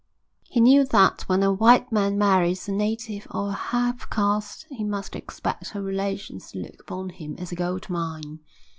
He knew that when a white man marries a native or a half caste he must expect her relations to look upon him as a gold mine.